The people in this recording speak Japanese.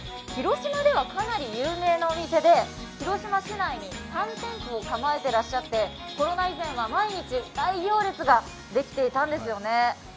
広島ではかなり有名なお店で、広島市内に３店舗を構えていらっしゃって、コロナ以前は毎日、大行列ができていたんですよね。